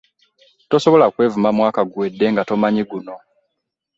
Tosobola kwevuma mwaka guwedde nga tomanyi guno.